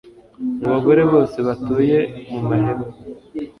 mu bagore bose batuye mu mahema